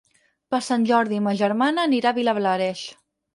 Per Sant Jordi ma germana anirà a Vilablareix.